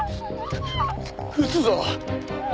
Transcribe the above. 撃つぞ！